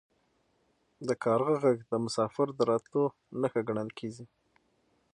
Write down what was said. د کارغه غږ د مسافر د راتلو نښه ګڼل کیږي.